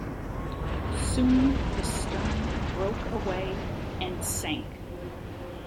Soon the stern broke away and sank.